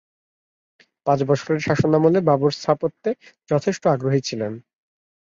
পাঁচ বছরের শাসনামলে বাবর স্থাপত্যে যথেষ্ট আগ্রহী ছিলেন।